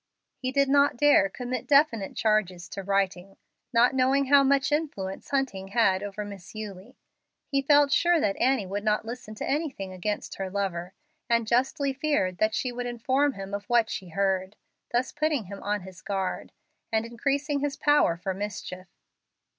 He did not dare commit definite charges to writing, not knowing how much influence Hunting had over Miss Eulie. He felt sure that Annie would not listen to anything against her lover, and justly feared that she would inform him of what she heard, thus putting him on his guard, and increasing his power for mischief.